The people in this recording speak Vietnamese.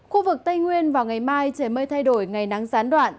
khu vực tây nguyên vào ngày mai trời mây thay đổi ngày nắng gián đoạn